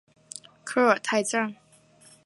科尔泰站